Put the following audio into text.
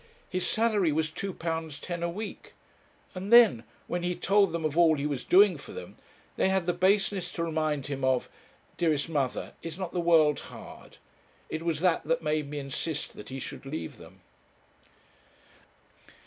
His salary was two pounds ten a week! And then, when he told them of all he was doing for them, they had the baseness to remind him of . Dearest mother, is not the world hard? It was that that made me insist that he should leave them.'